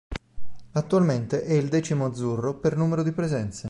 Attualmente è il decimo azzurro per numero di presenze.